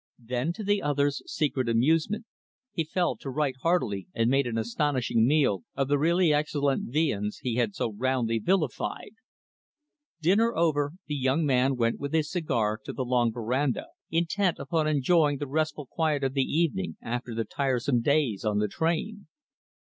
Then, to the other's secret amusement he fell to right heartily and made an astonishing meal of the really excellent viands he had so roundly vilified. Dinner over, the young man went with his cigar to the long veranda; intent upon enjoying the restful quiet of the evening after the tiresome days on the train.